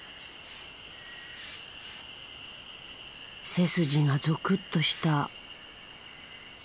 背筋がゾクッとした。